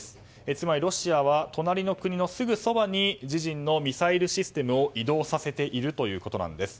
つまりロシアは隣の国のすぐそばに自陣のミサイルシステムを移動させているということです。